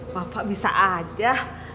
bapak bisa aja